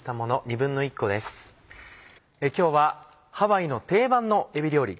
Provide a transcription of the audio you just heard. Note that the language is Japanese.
今日はハワイの定番のえび料理